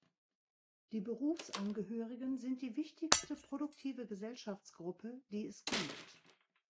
Die Berufsangehörigen sind die wichtigste produktive Gesellschaftsgruppe, die es gibt.